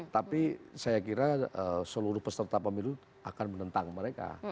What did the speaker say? tapi saya kira seluruh peserta pemilu akan menentang mereka